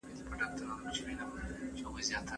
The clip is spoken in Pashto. هغه د هر وګړي حقونه په مساوي ډول رعایت کول.